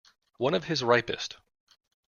One of his ripest.